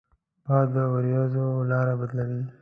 باد د ورېځو لاره بدلوي